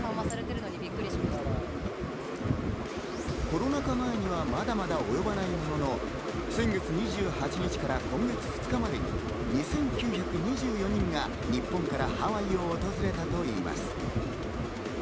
コロナ禍前にはまだまだ及ばないものの、先月２８日から今月２日までに２９２４人が日本からハワイを訪れたといいます。